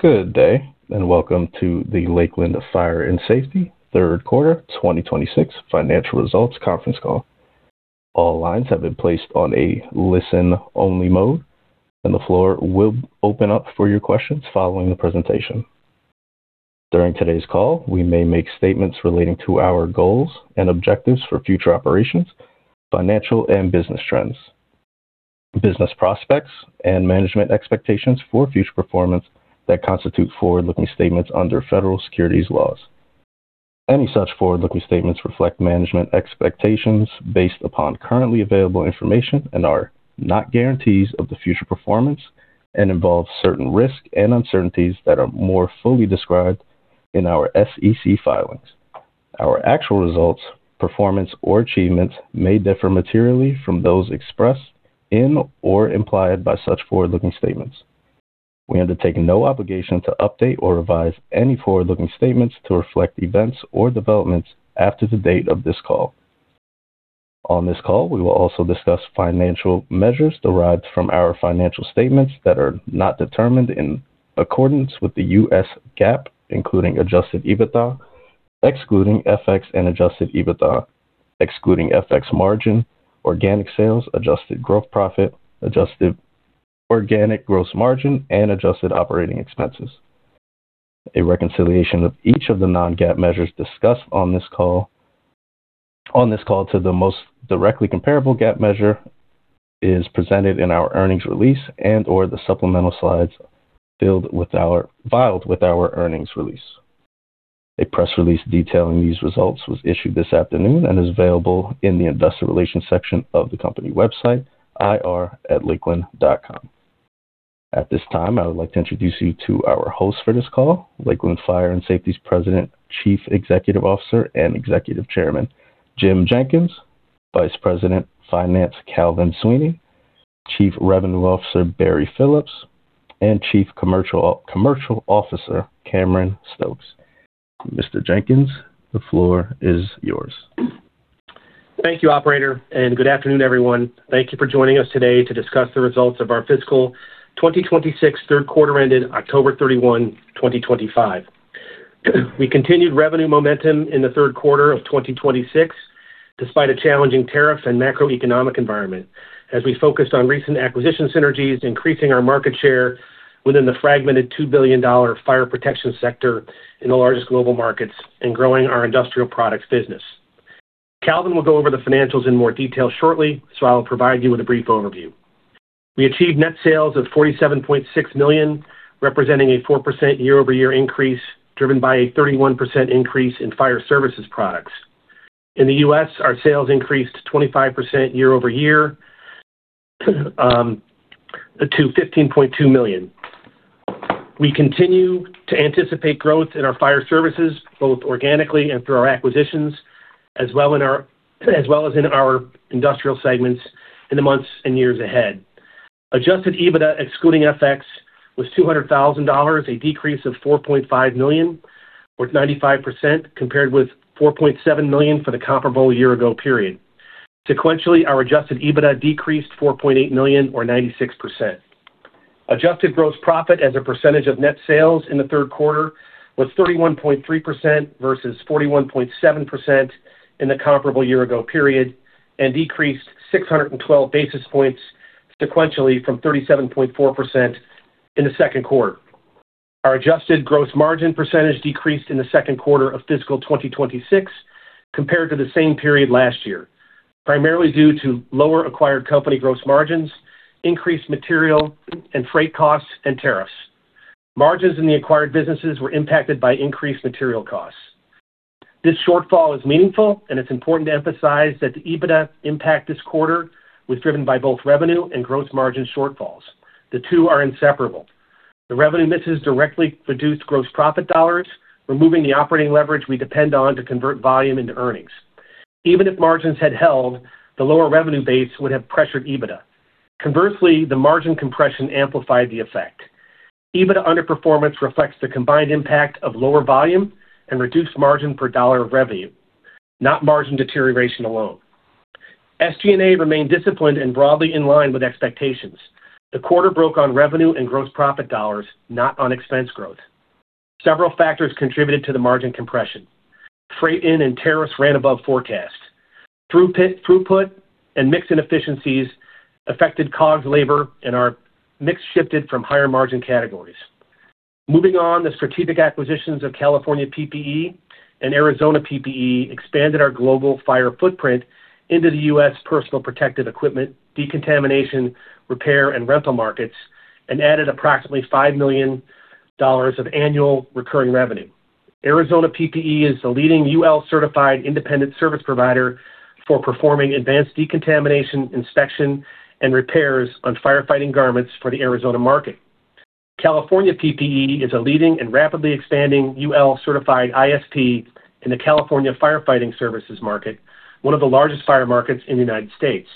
Good day, and welcome to the Lakeland Fire and Safety Third Quarter 2026 Financial Results Conference Call. All lines have been placed on a listen-only mode, and the floor will open up for your questions following the presentation. During today's call, we may make statements relating to our goals and objectives for future operations, financial and business trends, business prospects, and management expectations for future performance that constitute forward-looking statements under federal securities laws. Any such forward-looking statements reflect management expectations based upon currently available information and are not guarantees of the future performance and involve certain risks and uncertainties that are more fully described in our SEC filings. Our actual results, performance, or achievements may differ materially from those expressed in or implied by such forward-looking statements. We undertake no obligation to update or revise any forward-looking statements to reflect events or developments after the date of this call. On this call, we will also discuss financial measures derived from our financial statements that are not determined in accordance with the U.S. GAAP, including adjusted EBITDA, excluding FX and adjusted EBITDA, excluding FX margin, organic sales, adjusted gross profit, adjusted organic gross margin, and adjusted operating expenses. A reconciliation of each of the non-GAAP measures discussed on this call to the most directly comparable GAAP measure is presented in our earnings release and/or the supplemental slides filed with our earnings release. A press release detailing these results was issued this afternoon and is available in the investor relations section of the company website, ir.lakeland.com. At this time, I would like to introduce you to our hosts for this call, Lakeland Industries' President, Chief Executive Officer and Executive Chairman, Jim Jenkins, Interim CFO, Calven Swinea, Chief Revenue Officer, Barry Phillips, and Chief Commercial Officer, Cameron Stokes. Mr. Jenkins, the floor is yours. Thank you, Operator, and good afternoon, everyone. Thank you for joining us today to discuss the results of our fiscal 2026 third quarter ended October 31, 2025. We continued revenue momentum in the third quarter of 2026 despite a challenging tariffs and macroeconomic environment, as we focused on recent acquisition synergies, increasing our market share within the fragmented $2 billion fire protection sector in the largest global markets and growing our industrial products business. Calven will go over the financials in more detail shortly, so I'll provide you with a brief overview. We achieved net sales of $47.6 million, representing a 4% year-over-year increase driven by a 31% increase in fire services products. In the U.S., our sales increased 25% year-over-year to $15.2 million. We continue to anticipate growth in our fire services, both organically and through our acquisitions, as well as in our industrial segments in the months and years ahead. Adjusted EBITDA, excluding FX, was $200,000, a decrease of $4.5 million, or 95%, compared with $4.7 million for the comparable year-ago period. Sequentially, our adjusted EBITDA decreased $4.8 million, or 96%. Adjusted gross profit, as a percentage of net sales in the third quarter, was 31.3% versus 41.7% in the comparable year-ago period and decreased 612 basis points sequentially from 37.4% in the second quarter. Our adjusted gross margin percentage decreased in the second quarter of fiscal 2026 compared to the same period last year, primarily due to lower acquired company gross margins, increased material and freight costs, and tariffs. Margins in the acquired businesses were impacted by increased material costs. This shortfall is meaningful, and it's important to emphasize that the EBITDA impact this quarter was driven by both revenue and gross margin shortfalls. The two are inseparable. The revenue misses directly produced gross profit dollars, removing the operating leverage we depend on to convert volume into earnings. Even if margins had held, the lower revenue base would have pressured EBITDA. Conversely, the margin compression amplified the effect. EBITDA underperformance reflects the combined impact of lower volume and reduced margin per dollar of revenue, not margin deterioration alone. SG&A remained disciplined and broadly in line with expectations. The quarter broke on revenue and gross profit dollars, not on expense growth. Several factors contributed to the margin compression. Freight in and tariffs ran above forecast. Throughput and mix inefficiencies affected COGS labor, and our mix shifted from higher margin categories. Moving on, the strategic acquisitions of California PPE and Arizona PPE expanded our global fire footprint into the U.S. personal protective equipment, decontamination, repair, and rental markets, and added approximately $5 million of annual recurring revenue. Arizona PPE is the leading UL-certified independent service provider for performing advanced decontamination, inspection, and repairs on firefighting garments for the Arizona market. California PPE is a leading and rapidly expanding UL-certified ISP in the California firefighting services market, one of the largest fire markets in the United States.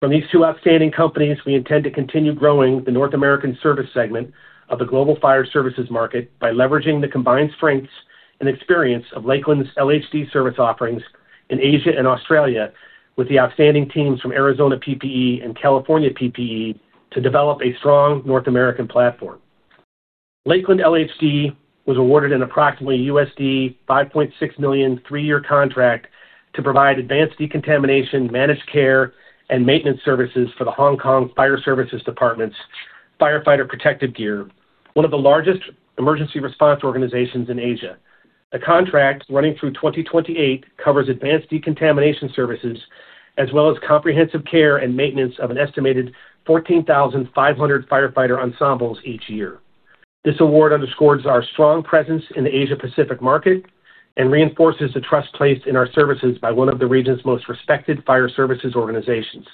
From these two outstanding companies, we intend to continue growing the North American service segment of the global fire services market by leveraging the combined strengths and experience of Lakeland's LHD service offerings in Asia and Australia, with the outstanding teams from Arizona PPE and California PPE to develop a strong North American platform. Lakeland LHD was awarded an approximately $5.6 million three-year contract to provide advanced decontamination, managed care, and maintenance services for the Hong Kong Fire Services Department's firefighter protective gear, one of the largest emergency response organizations in Asia. The contract, running through 2028, covers advanced decontamination services as well as comprehensive care and maintenance of an estimated 14,500 firefighter ensembles each year. This award underscores our strong presence in the Asia-Pacific market and reinforces the trust placed in our services by one of the region's most respected fire services organizations.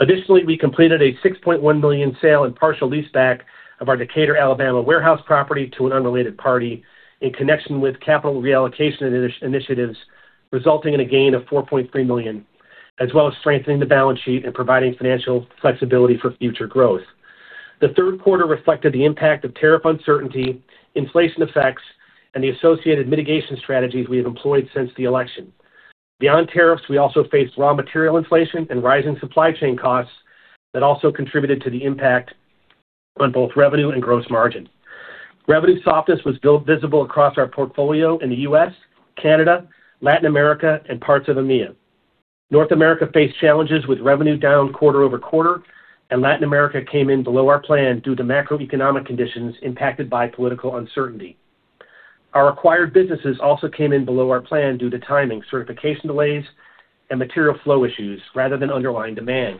Additionally, we completed a $6.1 million sale and partial leaseback of our Decatur, Alabama, warehouse property to an unrelated party in connection with capital reallocation initiatives, resulting in a gain of $4.3 million, as well as strengthening the balance sheet and providing financial flexibility for future growth. The third quarter reflected the impact of tariff uncertainty, inflation effects, and the associated mitigation strategies we have employed since the election. Beyond tariffs, we also faced raw material inflation and rising supply chain costs that also contributed to the impact on both revenue and gross margin. Revenue softness was visible across our portfolio in the U.S., Canada, Latin America, and parts of EMEA. North America faced challenges with revenue down quarter over quarter, and Latin America came in below our plan due to macroeconomic conditions impacted by political uncertainty. Our acquired businesses also came in below our plan due to timing, certification delays, and material flow issues rather than underlying demand.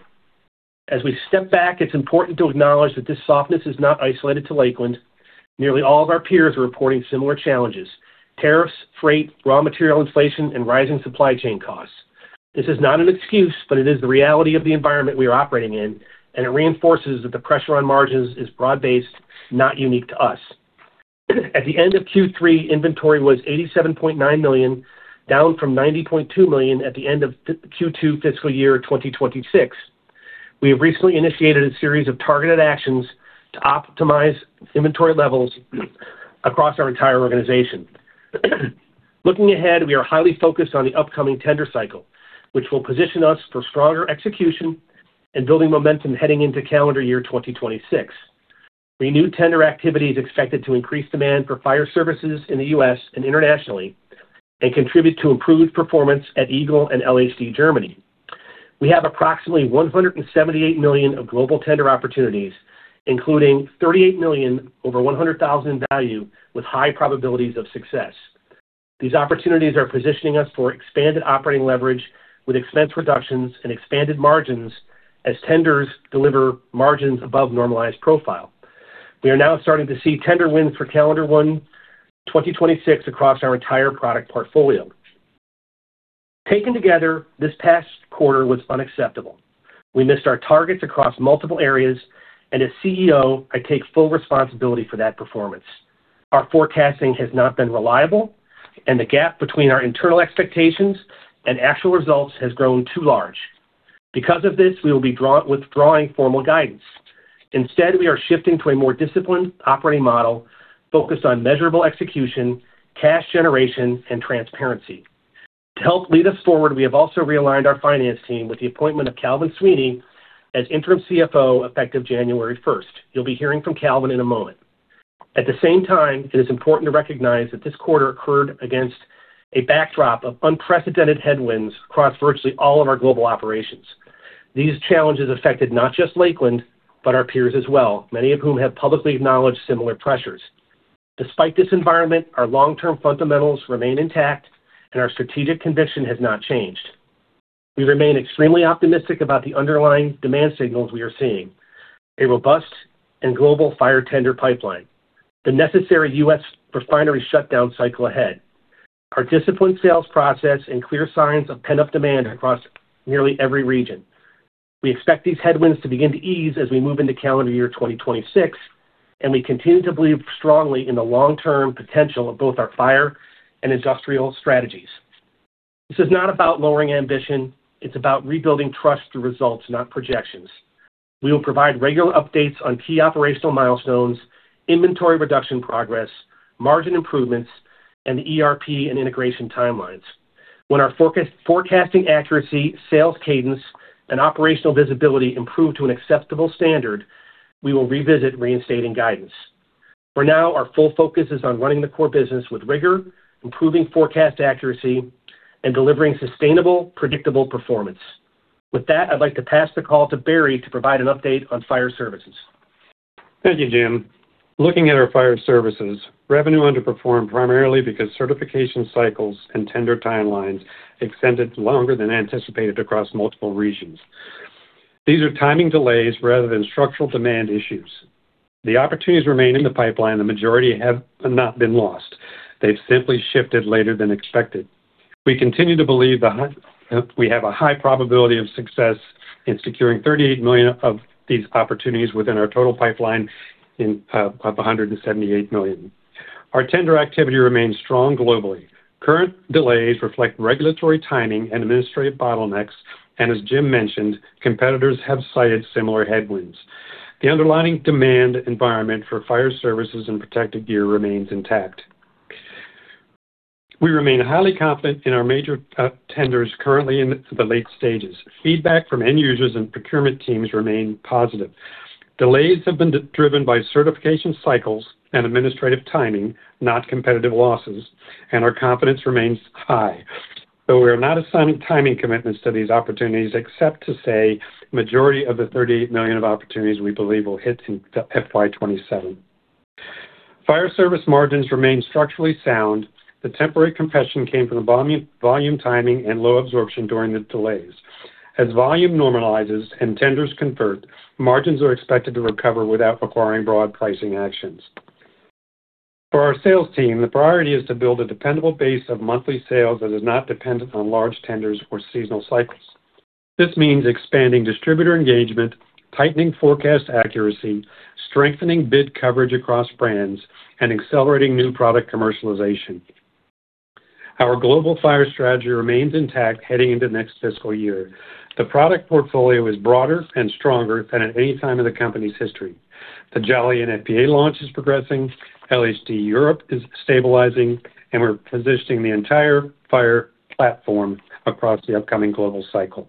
As we step back, it's important to acknowledge that this softness is not isolated to Lakeland. Nearly all of our peers are reporting similar challenges: tariffs, freight, raw material inflation, and rising supply chain costs. This is not an excuse, but it is the reality of the environment we are operating in, and it reinforces that the pressure on margins is broad-based, not unique to us. At the end of Q3, inventory was $87.9 million, down from $90.2 million at the end of Q2 fiscal year 2026. We have recently initiated a series of targeted actions to optimize inventory levels across our entire organization. Looking ahead, we are highly focused on the upcoming tender cycle, which will position us for stronger execution and building momentum heading into calendar year 2026. Renewed tender activity is expected to increase demand for fire services in the U.S. and internationally and contribute to improved performance at EGLE and LHD Germany. We have approximately $178 million of global tender opportunities, including $38 million over $100,000 in value with high probabilities of success. These opportunities are positioning us for expanded operating leverage with expense reductions and expanded margins as tenders deliver margins above normalized profile. We are now starting to see tender wins for calendar Q1 2026 across our entire product portfolio. Taken together, this past quarter was unacceptable. We missed our targets across multiple areas, and as CEO, I take full responsibility for that performance. Our forecasting has not been reliable, and the gap between our internal expectations and actual results has grown too large. Because of this, we will be withdrawing formal guidance. Instead, we are shifting to a more disciplined operating model focused on measurable execution, cash generation, and transparency. To help lead us forward, we have also realigned our finance team with the appointment of Calven Swinea as interim CFO effective January 1st. You'll be hearing from Calven in a moment. At the same time, it is important to recognize that this quarter occurred against a backdrop of unprecedented headwinds across virtually all of our global operations. These challenges affected not just Lakeland, but our peers as well, many of whom have publicly acknowledged similar pressures. Despite this environment, our long-term fundamentals remain intact, and our strategic conviction has not changed. We remain extremely optimistic about the underlying demand signals we are seeing: a robust and global fire tender pipeline, the necessary U.S. refinery shutdown cycle ahead, our disciplined sales process, and clear signs of pent-up demand across nearly every region. We expect these headwinds to begin to ease as we move into calendar year 2026, and we continue to believe strongly in the long-term potential of both our fire and industrial strategies. This is not about lowering ambition. It's about rebuilding trust through results, not projections. We will provide regular updates on key operational milestones, inventory reduction progress, margin improvements, and the ERP and integration timelines. When our forecasting accuracy, sales cadence, and operational visibility improve to an acceptable standard, we will revisit reinstating guidance. For now, our full focus is on running the core business with rigor, improving forecast accuracy, and delivering sustainable, predictable performance. With that, I'd like to pass the call to Barry to provide an update on fire services. Thank you, Jim. Looking at our fire services, revenue underperformed primarily because certification cycles and tender timelines extended longer than anticipated across multiple regions. These are timing delays rather than structural demand issues. The opportunities remain in the pipeline. The majority have not been lost. They've simply shifted later than expected. We continue to believe we have a high probability of success in securing $38 million of these opportunities within our total pipeline of $178 million. Our tender activity remains strong globally. Current delays reflect regulatory timing and administrative bottlenecks, and as Jim mentioned, competitors have cited similar headwinds. The underlying demand environment for fire services and protective gear remains intact. We remain highly confident in our major tenders currently in the late stages. Feedback from end users and procurement teams remains positive. Delays have been driven by certification cycles and administrative timing, not competitive losses, and our confidence remains high. Though we are not assigning timing commitments to these opportunities, except to say the majority of the $38 million of opportunities we believe will hit in FY27. Fire service margins remain structurally sound. The temporary compression came from volume timing and low absorption during the delays. As volume normalizes and tenders convert, margins are expected to recover without requiring broad pricing actions. For our sales team, the priority is to build a dependable base of monthly sales that is not dependent on large tenders or seasonal cycles. This means expanding distributor engagement, tightening forecast accuracy, strengthening bid coverage across brands, and accelerating new product commercialization. Our global fire strategy remains intact heading into the next fiscal year. The product portfolio is broader and stronger than at any time in the company's history. The Jolly NFPA launch is progressing. LHD Europe is stabilizing, and we're positioning the entire fire platform across the upcoming global cycle.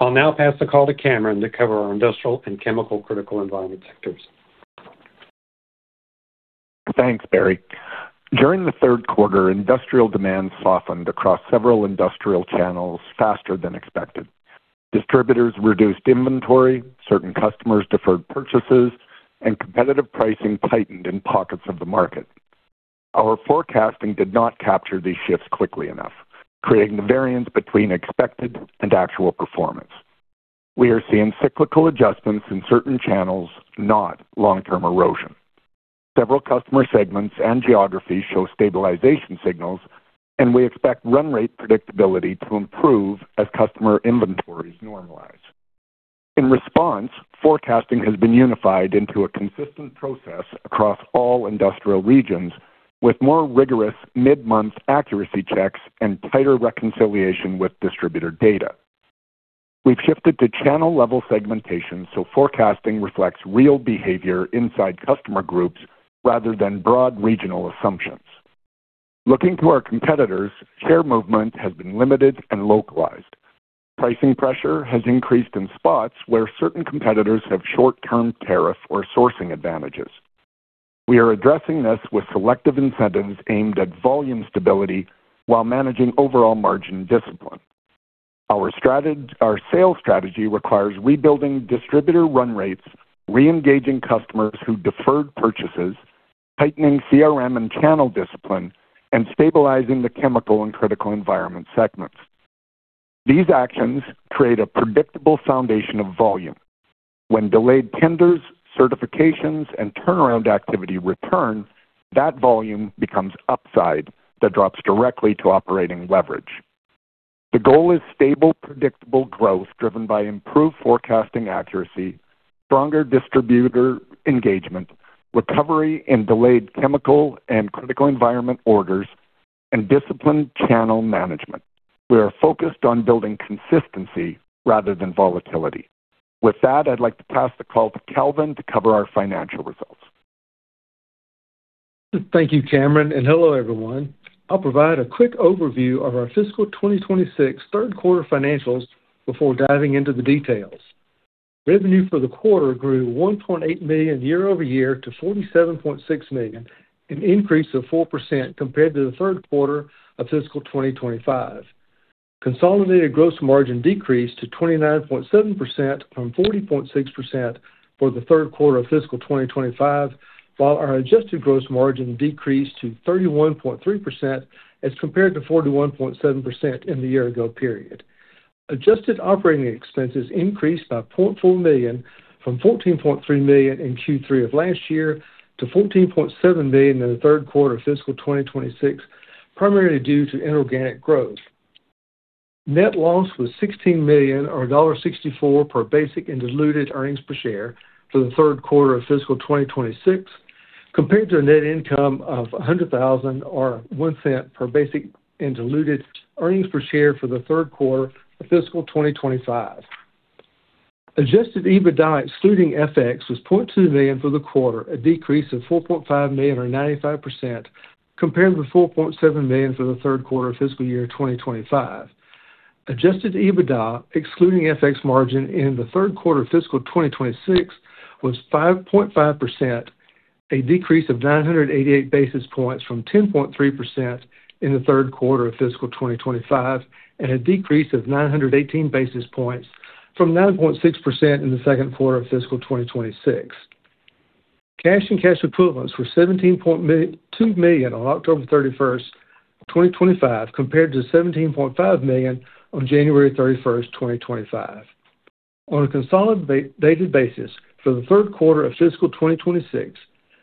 I'll now pass the call to Cameron to cover our industrial and chemical critical environment sectors. Thanks, Barry. During the third quarter, industrial demand softened across several industrial channels faster than expected. Distributors reduced inventory, certain customers deferred purchases, and competitive pricing tightened in pockets of the market. Our forecasting did not capture these shifts quickly enough, creating the variance between expected and actual performance. We are seeing cyclical adjustments in certain channels, not long-term erosion. Several customer segments and geographies show stabilization signals, and we expect run rate predictability to improve as customer inventories normalize. In response, forecasting has been unified into a consistent process across all industrial regions, with more rigorous mid-month accuracy checks and tighter reconciliation with distributor data. We've shifted to channel-level segmentation, so forecasting reflects real behavior inside customer groups rather than broad regional assumptions. Looking to our competitors, share movement has been limited and localized. Pricing pressure has increased in spots where certain competitors have short-term tariff or sourcing advantages. We are addressing this with selective incentives aimed at volume stability while managing overall margin discipline. Our sales strategy requires rebuilding distributor run rates, re-engaging customers who deferred purchases, tightening CRM and channel discipline, and stabilizing the chemical and critical environment segments. These actions create a predictable foundation of volume. When delayed tenders, certifications, and turnaround activity return, that volume becomes upside that drops directly to operating leverage. The goal is stable, predictable growth driven by improved forecasting accuracy, stronger distributor engagement, recovery in delayed chemical and critical environment orders, and disciplined channel management. We are focused on building consistency rather than volatility. With that, I'd like to pass the call to Calven to cover our financial results. Thank you, Cameron. And hello, everyone. I'll provide a quick overview of our fiscal 2026 third quarter financials before diving into the details. Revenue for the quarter grew $1.8 million year-over-year to $47.6 million, an increase of 4% compared to the third quarter of fiscal 2025. Consolidated gross margin decreased to 29.7% from 40.6% for the third quarter of fiscal 2025, while our adjusted gross margin decreased to 31.3% as compared to 41.7% in the year-ago period. Adjusted operating expenses increased by $0.4 million from $14.3 million in Q3 of last year to $14.7 million in the third quarter of fiscal 2026, primarily due to inorganic growth. Net loss was $16 million, or $1.64, per basic and diluted earnings per share for the third quarter of fiscal 2026, compared to a net income of $100,000 or $0.01 per basic and diluted earnings per share for the third quarter of fiscal 2025. Adjusted EBITDA excluding FX was $0.2 million for the quarter, a decrease of $4.5 million, or 95%, compared to $4.7 million for the third quarter of fiscal year 2025. Adjusted EBITDA excluding FX margin in the third quarter of fiscal 2026 was 5.5%, a decrease of 988 basis points from 10.3% in the third quarter of fiscal 2025, and a decrease of 918 basis points from 9.6% in the second quarter of fiscal 2026. Cash and cash equivalents were $17.2 million on October 31st, 2025, compared to $17.5 million on January 31st, 2025. On a consolidated basis, for the third quarter of fiscal 2026,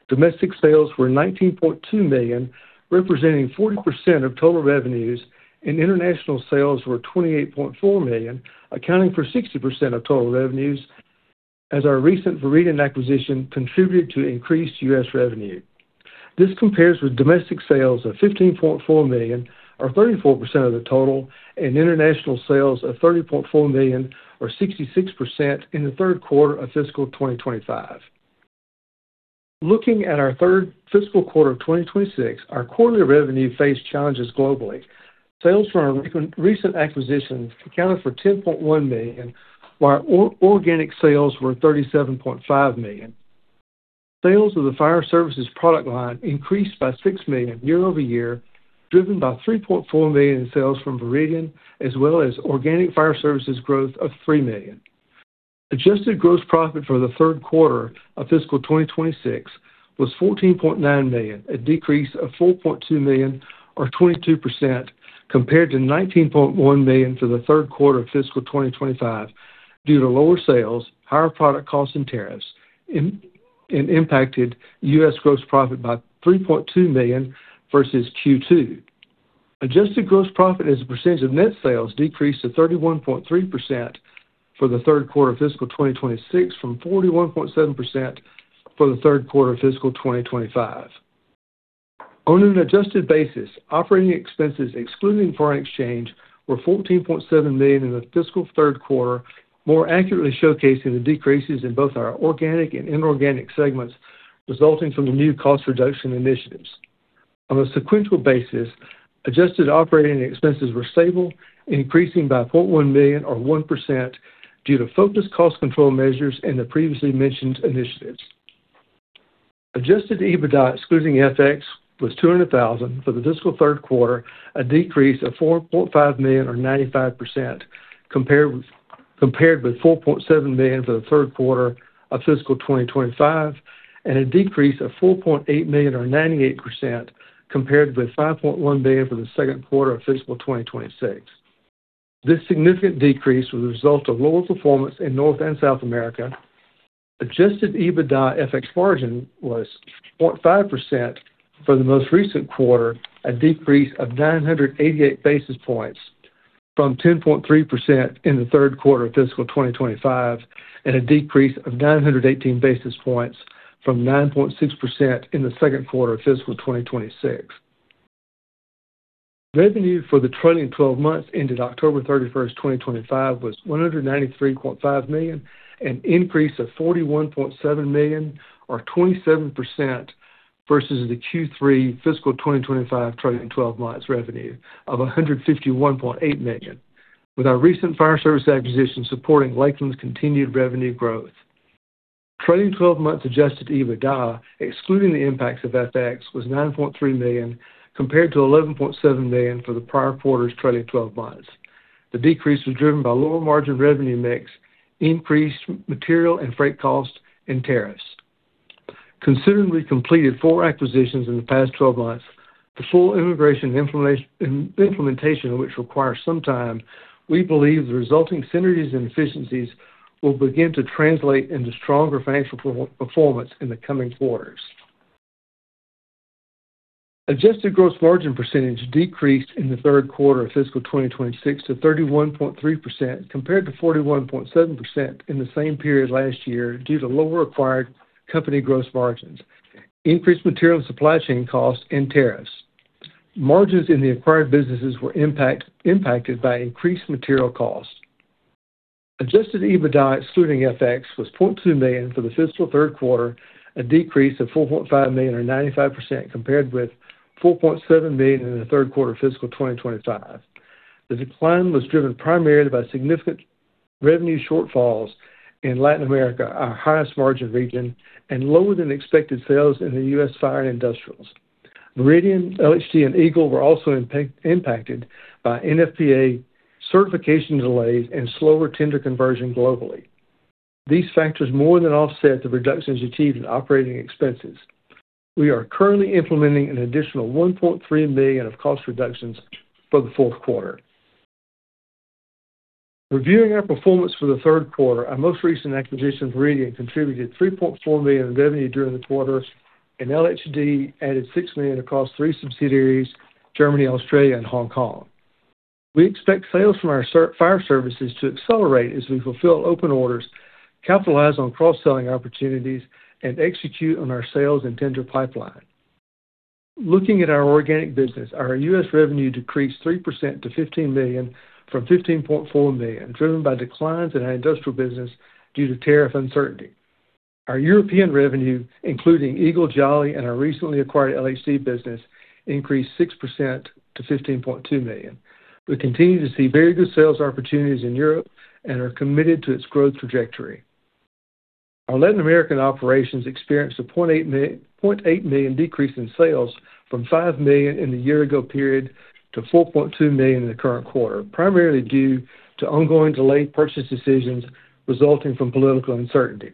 domestic sales were $19.2 million, representing 40% of total revenues, and international sales were $28.4 million, accounting for 60% of total revenues, as our recent Veridian acquisition contributed to increased U.S. revenue. This compares with domestic sales of $15.4 million, or 34% of the total, and international sales of $30.4 million, or 66%, in the third quarter of fiscal 2025. Looking at our third fiscal quarter of 2026, our quarterly revenue faced challenges globally. Sales from our recent acquisition accounted for $10.1 million, while organic sales were $37.5 million. Sales of the fire services product line increased by $6 million year-over-year, driven by $3.4 million in sales from Veridian, as well as organic fire services growth of $3 million. Adjusted gross profit for the third quarter of fiscal 2026 was $14.9 million, a decrease of $4.2 million, or 22%, compared to $19.1 million for the third quarter of fiscal 2025, due to lower sales, higher product costs, and tariffs, and impacted U.S. gross profit by $3.2 million versus Q2. Adjusted gross profit, as a percentage of net sales, decreased to 31.3% for the third quarter of fiscal 2026 from 41.7% for the third quarter of fiscal 2025. On an adjusted basis, operating expenses excluding foreign exchange were $14.7 million in the fiscal third quarter, more accurately showcasing the decreases in both our organic and inorganic segments resulting from the new cost reduction initiatives. On a sequential basis, adjusted operating expenses were stable, increasing by $0.1 million, or 1%, due to focused cost control measures in the previously mentioned initiatives. Adjusted EBITDA excluding FX was $200,000 for the fiscal third quarter, a decrease of $4.5 million, or 95%, compared with $4.7 million for the third quarter of fiscal 2025, and a decrease of $4.8 million, or 98%, compared with $5.1 million for the second quarter of fiscal 2026. This significant decrease was a result of lower performance in North and South America. Adjusted EBITDA FX margin was 0.5% for the most recent quarter, a decrease of 988 basis points from 10.3% in the third quarter of fiscal 2025, and a decrease of 918 basis points from 9.6% in the second quarter of fiscal 2026. Revenue for the trailing 12 months ended October 31st, 2025, was $193.5 million, an increase of $41.7 million, or 27%, versus the Q3 fiscal 2025 trailing 12 months revenue of $151.8 million, with our recent fire service acquisition supporting Lakeland's continued revenue growth. Trailing 12 months adjusted EBITDA, excluding the impacts of FX, was $9.3 million, compared to $11.7 million for the prior quarter's trailing 12 months. The decrease was driven by lower margin revenue mix, increased material and freight costs, and tariffs. Considering we completed four acquisitions in the past 12 months, the full integration implementation, which requires some time, we believe the resulting synergies and efficiencies will begin to translate into stronger financial performance in the coming quarters. Adjusted gross margin percentage decreased in the third quarter of fiscal 2026 to 31.3%, compared to 41.7% in the same period last year due to lower acquired company gross margins, increased material and supply chain costs, and tariffs. Margins in the acquired businesses were impacted by increased material costs. Adjusted EBITDA excluding FX was $0.2 million for the fiscal third quarter, a decrease of $4.5 million, or 95%, compared with $4.7 million in the third quarter of fiscal 2025. The decline was driven primarily by significant revenue shortfalls in Latin America, our highest margin region, and lower than expected sales in the U.S. fire industrials. Veridian, LHD, and Eagle were also impacted by NFPA certification delays and slower tender conversion globally. These factors more than offset the reductions achieved in operating expenses. We are currently implementing an additional $1.3 million of cost reductions for the fourth quarter. Reviewing our performance for the third quarter, our most recent acquisition, Veridian, contributed $3.4 million in revenue during the quarter, and LHD added $6 million across three subsidiaries: Germany, Australia, and Hong Kong. We expect sales from our fire services to accelerate as we fulfill open orders, capitalize on cross-selling opportunities, and execute on our sales and tender pipeline. Looking at our organic business, our U.S. revenue decreased 3% to $15 million from $15.4 million, driven by declines in our industrial business due to tariff uncertainty. Our European revenue, including Eagle, Jolly, and our recently acquired LHD business, increased 6% to $15.2 million. We continue to see very good sales opportunities in Europe and are committed to its growth trajectory. Our Latin American operations experienced a $0.8 million decrease in sales from $5 million in the year-ago period to $4.2 million in the current quarter, primarily due to ongoing delayed purchase decisions resulting from political uncertainty.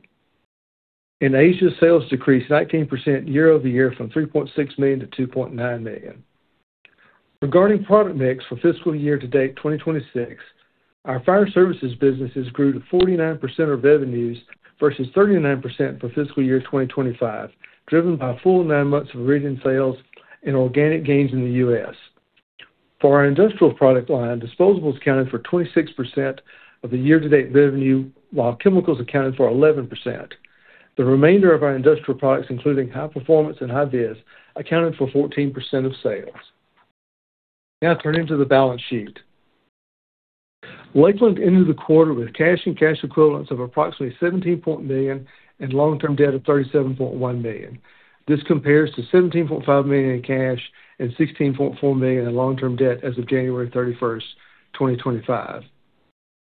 In Asia, sales decreased 19% year-over-year from $3.6 million to $2.9 million. Regarding product mix for fiscal year-to-date 2026, our Fire Services businesses grew to 49% of revenues versus 39% for fiscal year 2025, driven by full nine months of Veridian sales and organic gains in the U.S. For our industrial product line, Disposables accounted for 26% of the year-to-date revenue, while Chemicals accounted for 11%. The remainder of our industrial products, including High Performance and High Vis, accounted for 14% of sales. Now, turning to the balance sheet, Lakeland ended the quarter with cash and cash equivalents of approximately $17.1 million and long-term debt of $37.1 million. This compares to $17.5 million in cash and $16.4 million in long-term debt as of January 31st, 2025.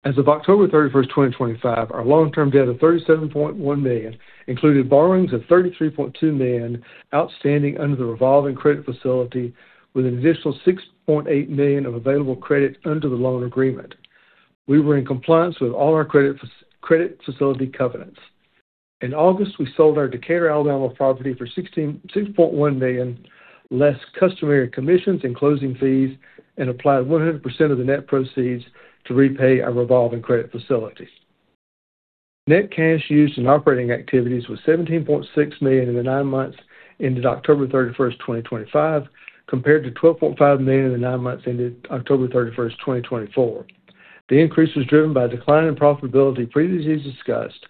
As of October 31st, 2025, our long-term debt of $37.1 million included borrowings of $33.2 million outstanding under the revolving credit facility, with an additional $6.8 million of available credit under the loan agreement. We were in compliance with all our credit facility covenants. In August, we sold our Decatur, Alabama, property for $6.1 million, less customary commissions and closing fees, and applied 100% of the net proceeds to repay our revolving credit facility. Net cash used in operating activities was $17.6 million in the nine months ended October 31st, 2025, compared to $12.5 million in the nine months ended October 31st, 2024. The increase was driven by a decline in profitability previously discussed,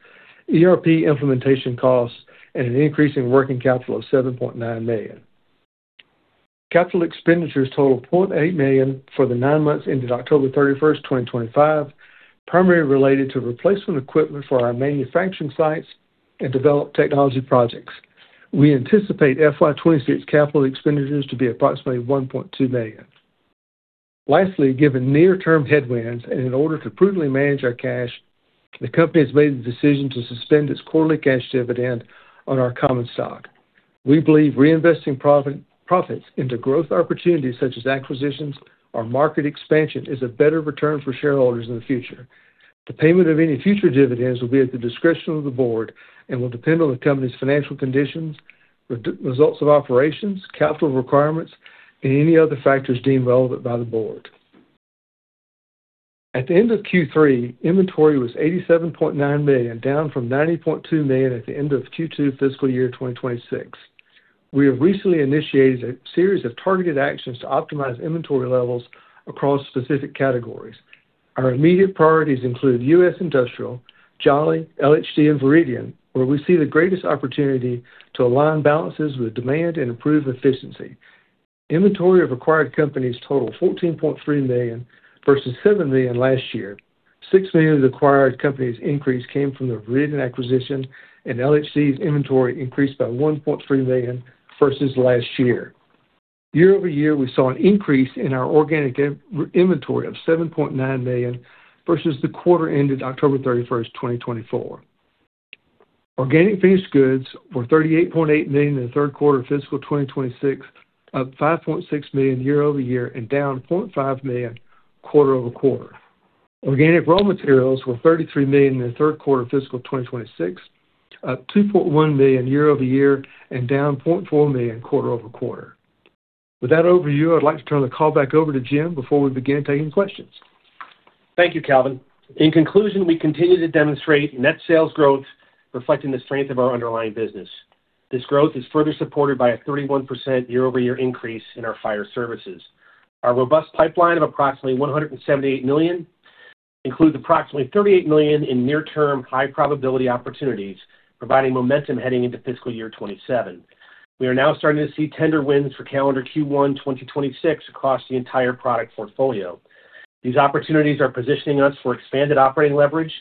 ERP implementation costs, and an increase in working capital of $7.9 million. Capital expenditures totaled $0.8 million for the nine months ended October 31st, 2025, primarily related to replacement equipment for our manufacturing sites and developed technology projects. We anticipate FY26 capital expenditures to be approximately $1.2 million. Lastly, given near-term headwinds and in order to prudently manage our cash, the company has made the decision to suspend its quarterly cash dividend on our common stock. We believe reinvesting profits into growth opportunities such as acquisitions or market expansion is a better return for shareholders in the future. The payment of any future dividends will be at the discretion of the board and will depend on the company's financial conditions, results of operations, capital requirements, and any other factors deemed relevant by the board. At the end of Q3, inventory was $87.9 million, down from $90.2 million at the end of Q2 fiscal year 2026. We have recently initiated a series of targeted actions to optimize inventory levels across specific categories. Our immediate priorities include U.S. industrial, Jolly, LHD, and Veridian, where we see the greatest opportunity to align balances with demand and improve efficiency. Inventory of acquired companies totaled $14.3 million versus $7 million last year. $6 million of acquired companies' increase came from the Veridian acquisition, and LHD's inventory increased by $1.3 million versus last year. Year-over-year, we saw an increase in our organic inventory of $7.9 million versus the quarter ended October 31st, 2024. Organic finished goods were $38.8 million in the third quarter of fiscal 2026, up $5.6 million year-over-year and down $0.5 million quarter-over-quarter. Organic raw materials were $33 million in the third quarter of fiscal 2026, up $2.1 million year-over-year and down $0.4 million quarter-over-quarter. With that overview, I'd like to turn the call back over to Jim before we begin taking questions. Thank you, Calven. In conclusion, we continue to demonstrate net sales growth reflecting the strength of our underlying business. This growth is further supported by a 31% year-over-year increase in our fire services. Our robust pipeline of approximately $178 million includes approximately $38 million in near-term high-probability opportunities, providing momentum heading into fiscal year 2027. We are now starting to see tender wins for calendar Q1, 2026, across the entire product portfolio. These opportunities are positioning us for expanded operating leverage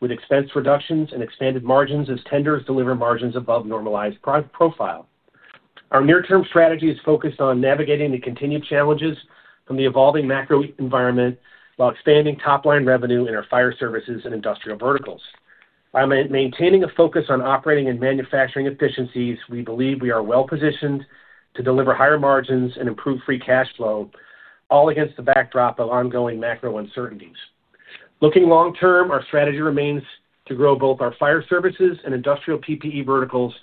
with expense reductions and expanded margins as tenders deliver margins above normalized profile. Our near-term strategy is focused on navigating the continued challenges from the evolving macro environment while expanding top-line revenue in our fire services and industrial verticals. By maintaining a focus on operating and manufacturing efficiencies, we believe we are well-positioned to deliver higher margins and improve free cash flow, all against the backdrop of ongoing macro uncertainties. Looking long-term, our strategy remains to grow both our fire services and industrial PPE verticals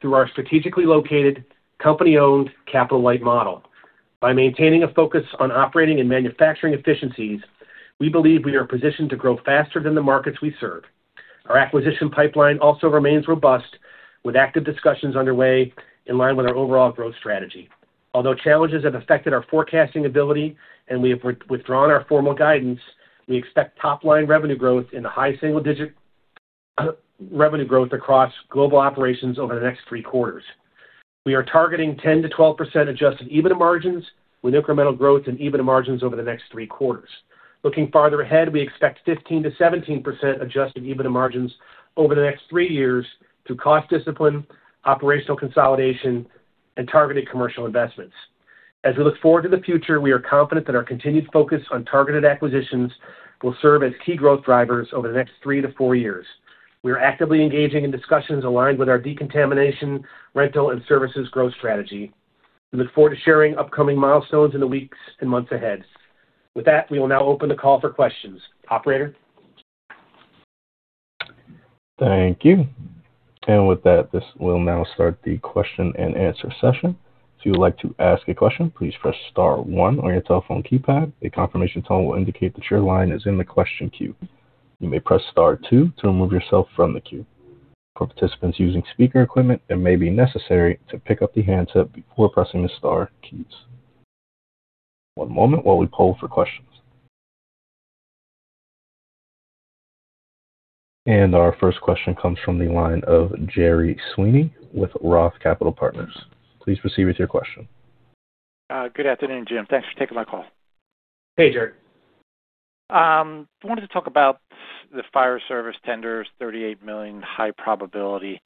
through our strategically located, company-owned capital-light model. By maintaining a focus on operating and manufacturing efficiencies, we believe we are positioned to grow faster than the markets we serve. Our acquisition pipeline also remains robust, with active discussions underway in line with our overall growth strategy. Although challenges have affected our forecasting ability and we have withdrawn our formal guidance, we expect top-line revenue growth and a high single-digit revenue growth across global operations over the next three quarters. We are targeting 10%-12% adjusted EBITDA margins with incremental growth in EBITDA margins over the next three quarters. Looking farther ahead, we expect 15%-17% adjusted EBITDA margins over the next three years through cost discipline, operational consolidation, and targeted commercial investments. As we look forward to the future, we are confident that our continued focus on targeted acquisitions will serve as key growth drivers over the next three to four years. We are actively engaging in discussions aligned with our decontamination, rental, and services growth strategy. We look forward to sharing upcoming milestones in the weeks and months ahead. With that, we will now open the call for questions. Operator. Thank you. And with that, this will now start the question and answer session. If you would like to ask a question, please press Star 1 on your telephone keypad. A confirmation tone will indicate that your line is in the question queue. You may press Star 2 to remove yourself from the queue. For participants using speaker equipment, it may be necessary to pick up the handset before pressing the Star keys. One moment while we poll for questions. And our first question comes from the line of Gerry Sweeney with Roth Capital Partners. Please proceed with your question. Good afternoon, Jim. Thanks for taking my call. Hey, Gerry. I wanted to talk about the fire service tenders, $38 million, high probability.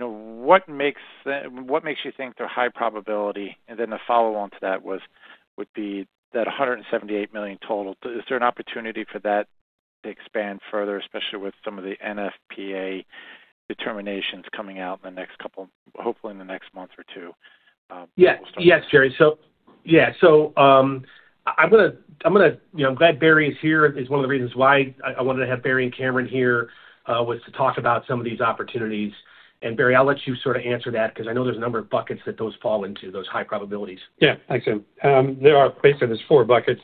What makes you think they're high probability? And then the follow-on to that would be that $178 million total. Is there an opportunity for that to expand further, especially with some of the NFPA determinations coming out in the next couple, hopefully in the next month or two? Yes. Yes, Gerry. So yeah. So I'm going to, I'm glad Barry is here is one of the reasons why I wanted to have Barry and Cameron here was to talk about some of these opportunities. And Barry, I'll let you sort of answer that because I know there's a number of buckets that those fall into, those high probabilities. Yeah. Thanks, Jim. There are, basically, there's four buckets.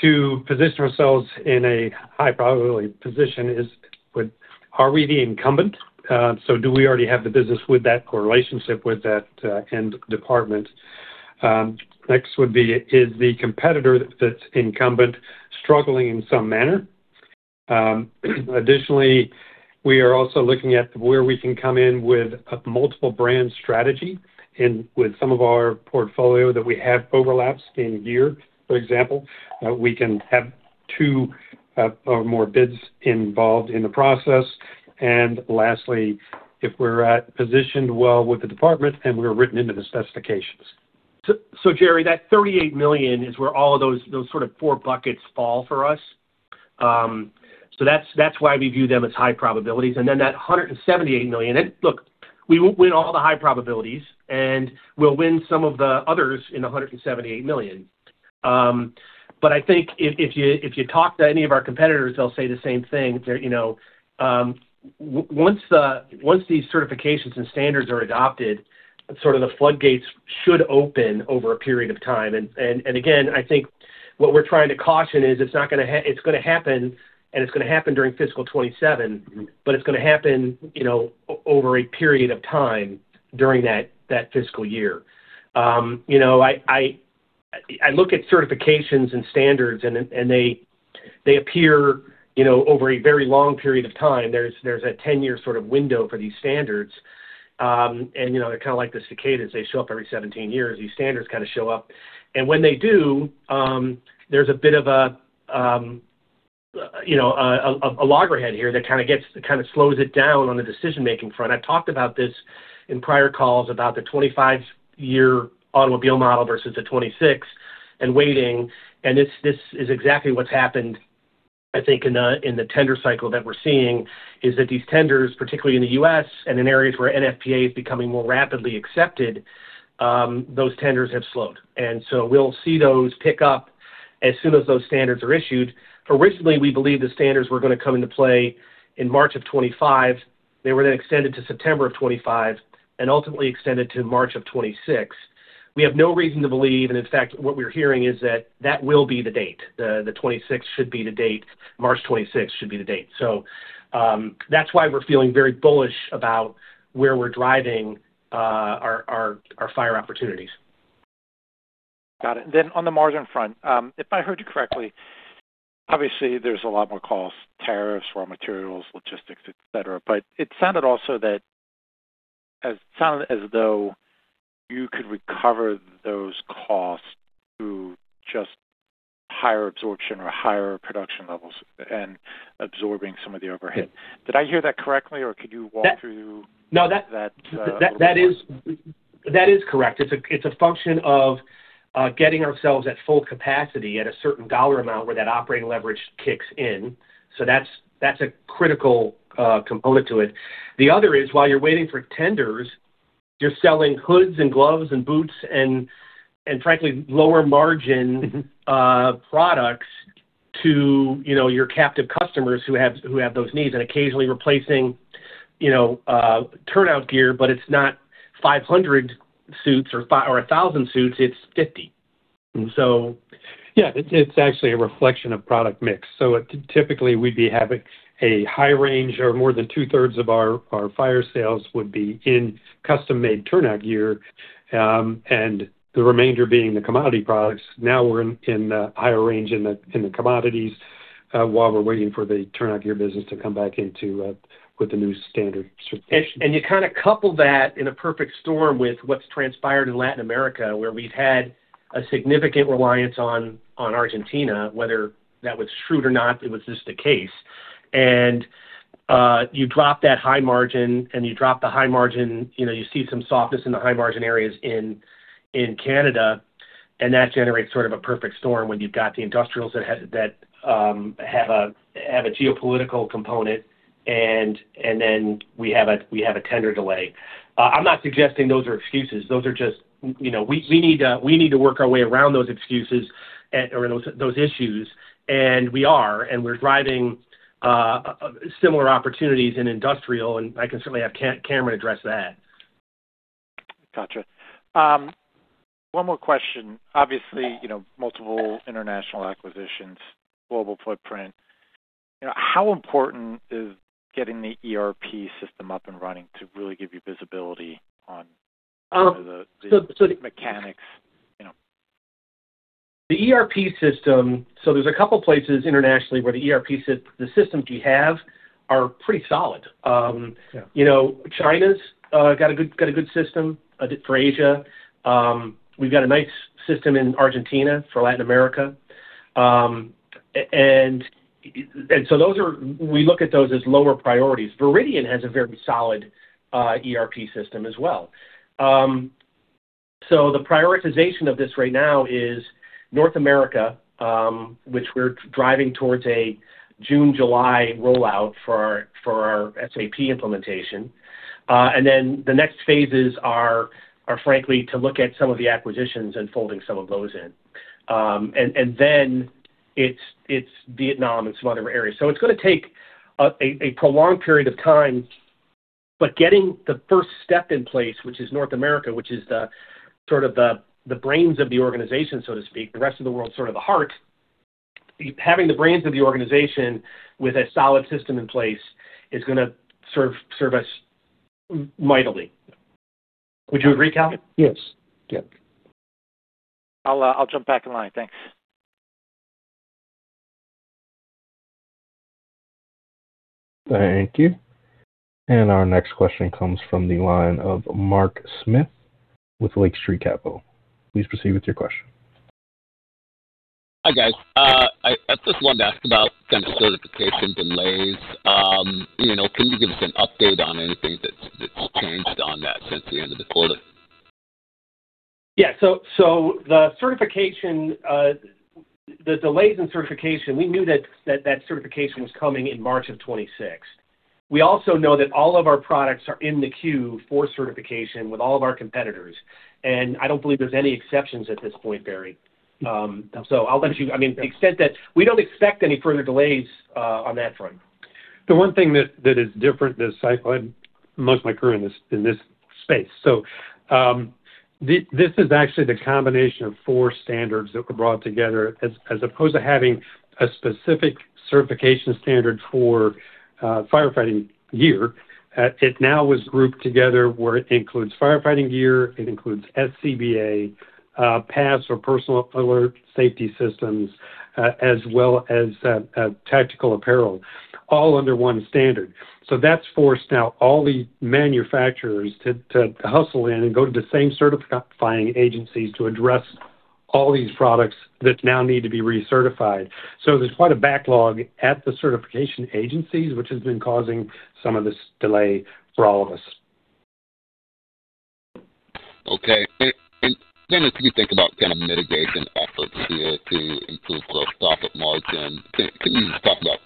To position ourselves in a high-probability position is, are we the incumbent? Do we already have the business with that or relationship with that fire department? Next would be, is the competitor that's incumbent struggling in some manner? Additionally, we are also looking at where we can come in with a multiple-brand strategy and with some of our portfolio that we have overlaps in gear, for example. We can have two or more bids involved in the process. And lastly, if we're positioned well with the department and we're written into the specifications. So Gerry, that $38 million is where all of those sort of four buckets fall for us. So that's why we view them as high probabilities. And then that $178 million, look, we won't win all the high probabilities, and we'll win some of the others in the $178 million. But I think if you talk to any of our competitors, they'll say the same thing. Once these certifications and standards are adopted, sort of the floodgates should open over a period of time. And again, I think what we're trying to caution is it's going to happen, and it's going to happen during Fiscal 2027, but it's going to happen over a period of time during that fiscal year. I look at certifications and standards, and they appear over a very long period of time. There's a 10-year sort of window for these standards. And they're kind of like the cicadas. They show up every 17 years. These standards kind of show up. And when they do, there's a bit of a loggerhead here that kind of slows it down on the decision-making front. I've talked about this in prior calls about the 25-year automobile model versus the 26 and waiting. And this is exactly what's happened, I think, in the tender cycle that we're seeing, is that these tenders, particularly in the U.S. and in areas where NFPA is becoming more rapidly accepted, those tenders have slowed. And so we'll see those pick up as soon as those standards are issued. Originally, we believed the standards were going to come into play in March of 2025. They were then extended to September of 2025 and ultimately extended to March of 2026. We have no reason to believe, and in fact, what we're hearing is that that will be the date. The 2026 should be the date. March 2026 should be the date. So that's why we're feeling very bullish about where we're driving our fire opportunities. Got it. Then on the margin front, if I heard you correctly, obviously, there's a lot more costs: tariffs, raw materials, logistics, etc. But it sounded also as though you could recover those costs through just higher absorption or higher production levels and absorbing some of the overhead. Did I hear that correctly, or could you walk through that? That is correct. It's a function of getting ourselves at full capacity at a certain dollar amount where that operating leverage kicks in. So that's a critical component to it. The other is, while you're waiting for tenders, you're selling hoods and gloves and boots and, frankly, lower-margin products to your captive customers who have those needs and occasionally replacing turnout gear, but it's not 500 suits or 1,000 suits. It's 50. So yeah, it's actually a reflection of product mix. So typically, we'd be having a high range or more than two-thirds of our fire sales would be in custom-made turnout gear and the remainder being the commodity products. Now we're in the higher range in the commodities while we're waiting for the turnout gear business to come back into with the new standard certification, And you kind of couple that in a perfect storm with what's transpired in Latin America, where we've had a significant reliance on Argentina, whether that was true or not, it was just the case, and you drop that high margin, and you drop the high margin. You see some softness in the high margin areas in Canada, and that generates sort of a perfect storm when you've got the industrials that have a geopolitical component, and then we have a tender delay. I'm not suggesting those are excuses. Those are just, we need to work our way around those excuses or those issues, and we are, and we're driving similar opportunities in industrial, and I can certainly have Cameron address that. Gotcha. One more question. Obviously, multiple international acquisitions, global footprint. How important is getting the ERP system up and running to really give you visibility on the mechanics? The ERP system, so there's a couple of places internationally where the ERP systems we have are pretty solid. China's got a good system for Asia. We've got a nice system in Argentina for Latin America. And so we look at those as lower priorities. Veridian has a very solid ERP system as well. So the prioritization of this right now is North America, which we're driving towards a June, July rollout for our SAP implementation. And then the next phases are, frankly, to look at some of the acquisitions and folding some of those in. And then it's Vietnam and some other areas. So it's going to take a prolonged period of time. But getting the first step in place, which is North America, which is sort of the brains of the organization, so to speak, the rest of the world's sort of the heart, having the brains of the organization with a solid system in place is going to serve us mightily. Would you agree, Calven? Yes. Yeah. I'll jump back in line. Thanks. Thank you. Our next question comes from the line of Mark Smith with Lake Street Capital Markets. Please proceed with your question. Hi, guys. I just wanted to ask about certification delays. Can you give us an update on anything that's changed on that since the end of the quarter? Yeah. So the delays in certification, we knew that that certification was coming in March of 2026. We also know that all of our products are in the queue for certification with all of our competitors. I don't believe there's any exceptions at this point, Barry. So I'll let you, I mean, to the extent that we don't expect any further delays on that front. The one thing that is different this cycle, and most of my career in this space, so this is actually the combination of four standards that were brought together. As opposed to having a specific certification standard for firefighting gear, it now was grouped together where it includes firefighting gear, it includes SCBA, PASS or personal alert safety systems, as well as tactical apparel, all under one standard. So that's forced now all the manufacturers to hustle in and go to the same certifying agencies to address all these products that now need to be recertified. So there's quite a backlog at the certification agencies, which has been causing some of this delay for all of us. Okay. And then if you think about kind of mitigation efforts here to improve growth profit margin, can you talk about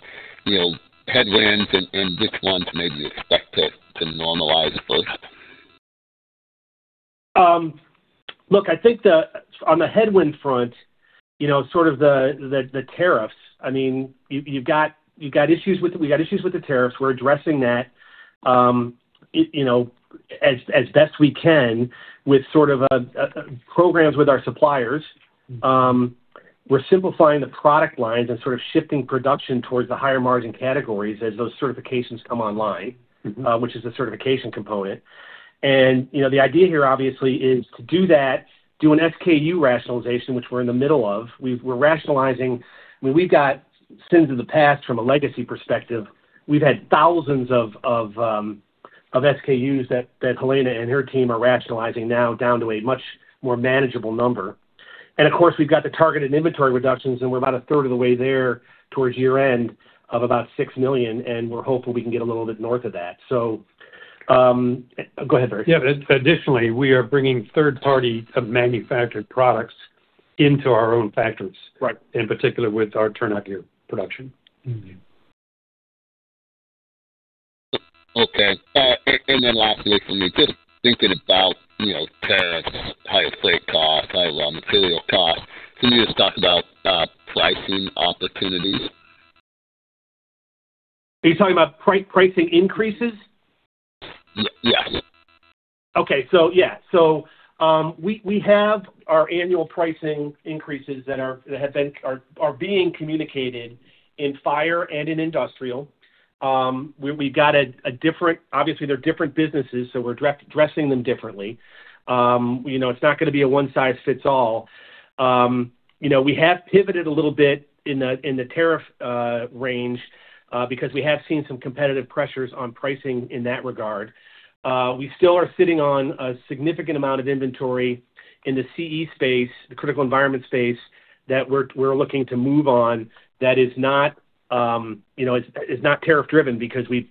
headwinds and which ones maybe expect to normalize first? Look, I think on the headwind front, sort of the tariffs, I mean, you've got issues with. We've got issues with the tariffs. We're addressing that as best we can with sort of programs with our suppliers. We're simplifying the product lines and sort of shifting production towards the higher margin categories as those certifications come online, which is the certification component. And the idea here, obviously, is to do that, do an SKU rationalization, which we're in the middle of. We're rationalizing. I mean, we've got sins of the past from a legacy perspective. We've had thousands of SKUs that Helena and her team are rationalizing now down to a much more manageable number. Of course, we've got the targeted inventory reductions, and we're about a third of the way there towards year-end of about $6 million, and we're hopeful we can get a little bit north of that. So go ahead, Barry. Yeah. Additionally, we are bringing third-party manufactured products into our own factories, in particular with our turnout gear production. Okay. And then lastly, for me, just thinking about tariffs, higher flight costs, higher raw material costs, can you just talk about pricing opportunities? Are you talking about pricing increases? Yes. Okay. So yeah. So we have our annual pricing increases that are being communicated in fire and in industrial. We've got a different, obviously, they're different businesses, so we're addressing them differently. It's not going to be a one-size-fits-all. We have pivoted a little bit in the tariff range because we have seen some competitive pressures on pricing in that regard. We still are sitting on a significant amount of inventory in the CE space, the critical environment space that we're looking to move on that is not tariff-driven because we've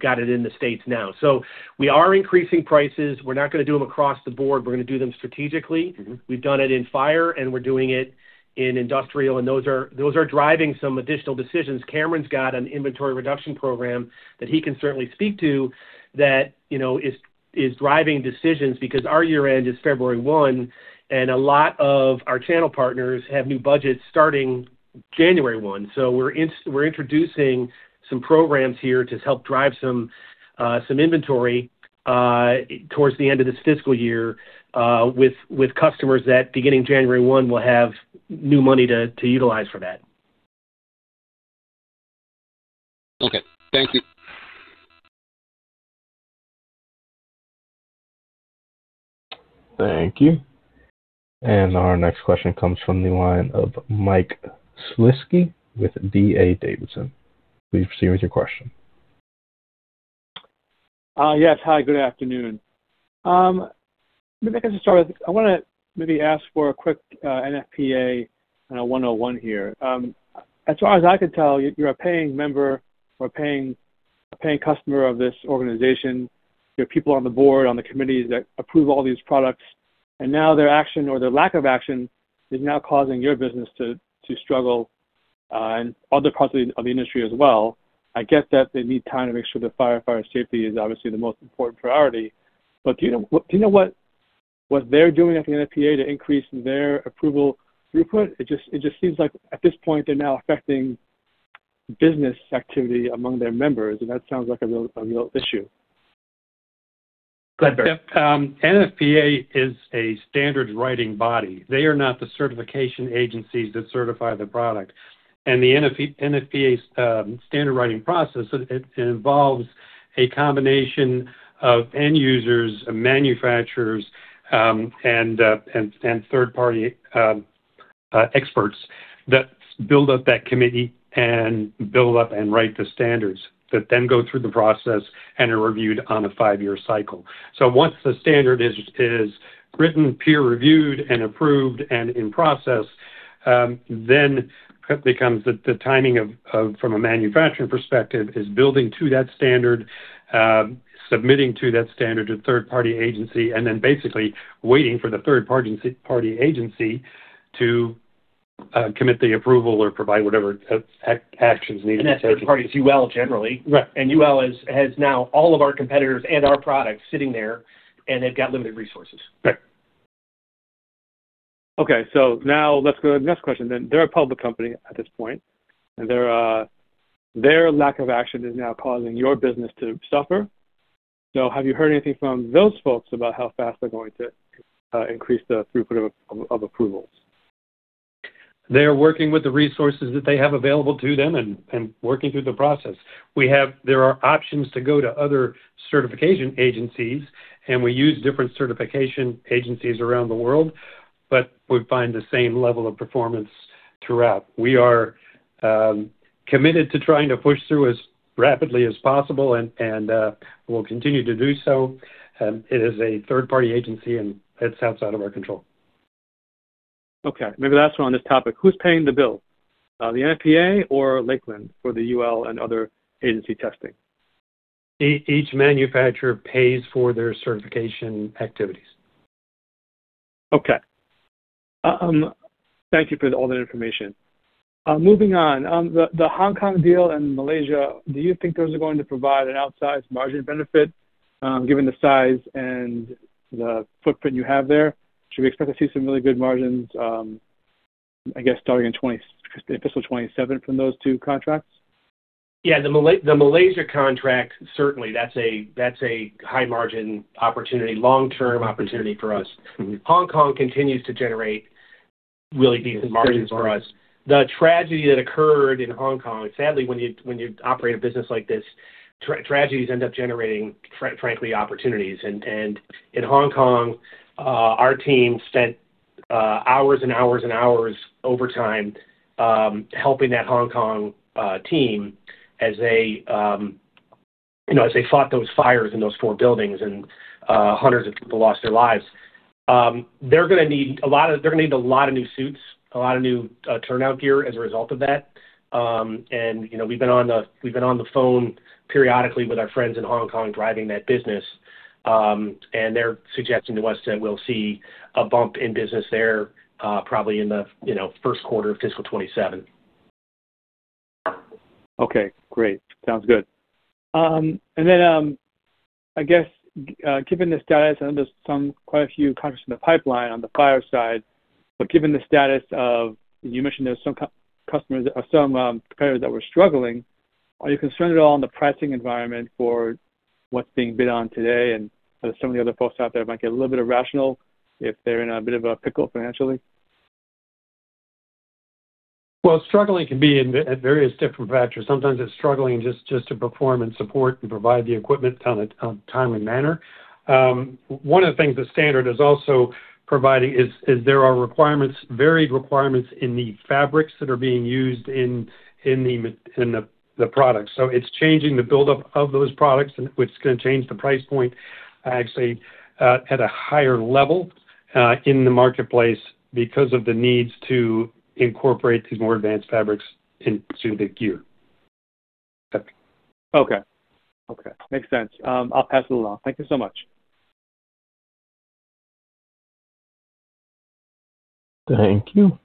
got it in the States now. So we are increasing prices. We're not going to do them across the board. We're going to do them strategically. We've done it in fire, and we're doing it in industrial, and those are driving some additional decisions. Cameron's got an inventory reduction program that he can certainly speak to that is driving decisions because our year-end is February 1, and a lot of our channel partners have new budgets starting January 1. So we're introducing some programs here to help drive some inventory towards the end of this fiscal year with customers that beginning January 1 will have new money to utilize for that. Okay. Thank you. Thank you. Our next question comes from the line of Mike Shlisky with DA Davidson. Please proceed with your question. Yes. Hi. Good afternoon. Maybe I can just start with, I want to maybe ask for a quick NFPA 101 here. As far as I can tell, you're a paying member or a paying customer of this organization. You have people on the board, on the committees that approve all these products, and now their action or their lack of action is now causing your business to struggle and other parts of the industry as well. I get that they need time to make sure that firefighter safety is obviously the most important priority. But do you know what they're doing at the NFPA to increase their approval throughput? It just seems like at this point, they're now affecting business activity among their members, and that sounds like a real issue. Go ahead, Barry. NFPA is a standards-writing body. They are not the certification agencies that certify the product. And the NFPA standard-writing process, it involves a combination of end users, manufacturers, and third-party experts that build up that committee and build up and write the standards that then go through the process and are reviewed on a five-year cycle. So once the standard is written, peer-reviewed, and approved, and in process, then it becomes the timing from a manufacturing perspective is building to that standard, submitting to that standard to a third-party agency, and then basically waiting for the third-party agency to commit the approval or provide whatever actions needed. And that's the part of UL generally. And UL has now all of our competitors and our products sitting there, and they've got limited resources. Right. Okay. So now let's go to the next question. Then they're a public company at this point, and their lack of action is now causing your business to suffer. So have you heard anything from those folks about how fast they're going to increase the throughput of approvals? They're working with the resources that they have available to them and working through the process. There are options to go to other certification agencies, and we use different certification agencies around the world, but we find the same level of performance throughout. We are committed to trying to push through as rapidly as possible, and we'll continue to do so. It is a third-party agency, and it's outside of our control. Okay. Maybe last one on this topic. Who's paying the bill? The NFPA or Lakeland for the UL and other agency testing? Each manufacturer pays for their certification activities. Okay. Thank you for all that information. Moving on. The Hong Kong deal and Malaysia, do you think those are going to provide an outsized margin benefit given the size and the footprint you have there? Should we expect to see some really good margins, I guess, starting in Fiscal 2027 from those two contracts? Yeah. The Malaysia contract, certainly, that's a high-margin opportunity, long-term opportunity for us. Hong Kong continues to generate really decent margins for us. The tragedy that occurred in Hong Kong, sadly, when you operate a business like this, tragedies end up generating, frankly, opportunities, and in Hong Kong, our team spent hours and hours and hours overtime helping that Hong Kong team as they fought those fires in those four buildings, and hundreds of people lost their lives. They're going to need a lot of, they're going to need a lot of new suits, a lot of new turnout gear as a result of that. We've been on the phone periodically with our friends in Hong Kong driving that business, and they're suggesting to us that we'll see a bump in business there probably in the first quarter of Fiscal 2027. Okay. Great. Sounds good. And then I guess, given the status, and there's quite a few contracts in the pipeline on the Fire side, but given the status of, you mentioned there's some competitors that were struggling, are you concerned at all in the pricing environment for what's being bid on today? And some of the other folks out there might get a little bit irrational if they're in a bit of a pickle financially? Well, struggling can be at various different factors. Sometimes it's struggling just to perform and support and provide the equipment on a timely manner. One of the things the standard is also providing is there are varied requirements in the fabrics that are being used in the products. So it's changing the buildup of those products, which is going to change the price point, actually, at a higher level in the marketplace because of the needs to incorporate these more advanced fabrics into the gear. Okay. Okay. Okay. Makes sense. I'll pass it along. Thank you so much. Thank you.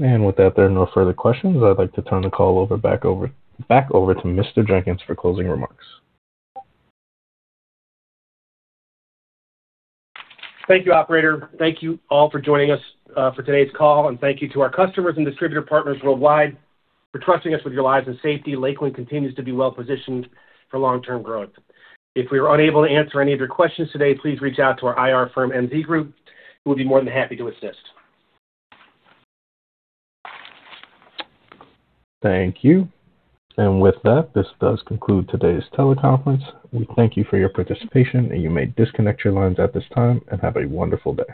And with that, there are no further questions. I'd like to turn the call back over to Mr. Jenkins for closing remarks. Thank you, Operator. Thank you all for joining us for today's call, and thank you to our customers and distributor partners worldwide for trusting us with your lives and safety. Lakeland continues to be well-positioned for long-term growth. If we are unable to answer any of your questions today, please reach out to our IR firm, MZ Group. We'll be more than happy to assist. Thank you. And with that, this does conclude today's teleconference. We thank you for your participation, and you may disconnect your lines at this time and have a wonderful day.